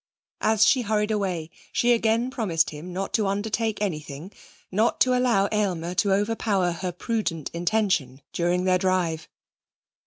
As she hurried away, she again promised him not to undertake anything, nor to allow Aylmer to overpower her prudent intention during their drive.